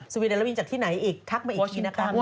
สวีเดนแล้วผีจากที่ไหนอีกทักมาอีกทีนะ